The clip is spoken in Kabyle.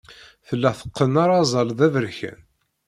Tella teqqen arazal d aberkan.